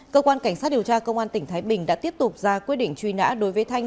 cơ quan cảnh sát điều tra công an tỉnh thái bình đã tiếp tục ra quyết định truy nã đối với thanh